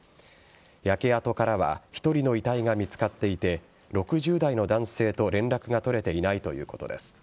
焼け跡からは１人の遺体が見つかっていて６０代の男性と連絡が取れていないということです。